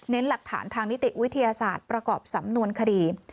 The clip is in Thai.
หลักฐานทางนิติวิทยาศาสตร์ประกอบสำนวนคดี